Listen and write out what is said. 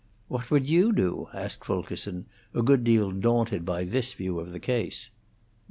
"What would you do?" asked Fulkerson, a good deal daunted by this view of the case.